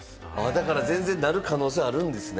だから全然なる可能性あるんですね。